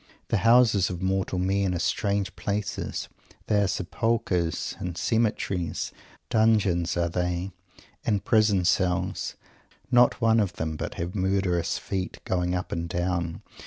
The houses of mortal men are strange places. They are sepulchres and cemeteries. Dungeons are they, and prison cells. Not one of them but have murderous feet going up and down.